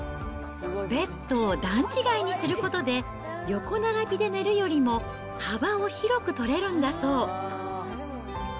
ベッドを段違いにすることで、横並びで寝るよりも幅を広く取れるんだそう。